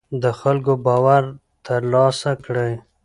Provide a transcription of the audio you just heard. د خلکو باور تر لاسه کړئ